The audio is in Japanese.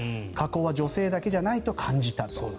加工は女性だけじゃないと感じたと。